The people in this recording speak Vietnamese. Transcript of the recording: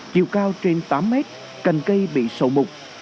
chiều cao trên tám m cành cây bị sầu mục